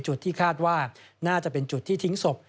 จุดที่คาดว่าน่าจะเป็นจุดที่ทิ้งศพ